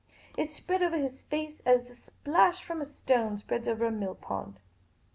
It spread over his face as the splash from a stone spreads over a millpond.